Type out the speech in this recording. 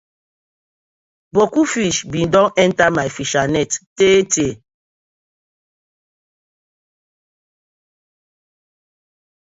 Boku fish been don enter my fishernet tey tey.